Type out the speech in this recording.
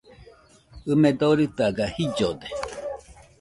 ɨme doritaga jillode